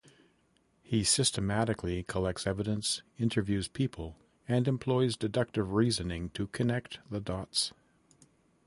He systematically collects evidence, interviews people and employs deductive reasoning to connect the dots.